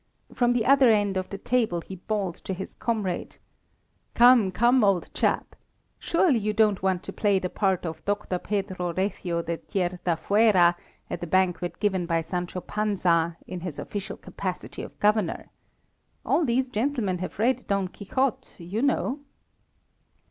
From the other end of the table he bawled to his comrade "Come, come, old chap! Surely you don't want to play the part of Doctor Pedro Recio de Tiertafuera at the banquet given by Sancho Panza, in his official capacity of Governor! All these gentlemen have read 'Don Quixote,' you know."